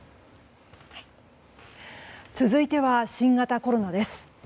続いては新型コロナです。